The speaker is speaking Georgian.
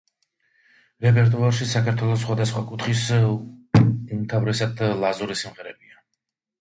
რეპერტუარში საქართველოს სხვადასხვა კუთხის, უმთავრესად ლაზური სიმღერებია.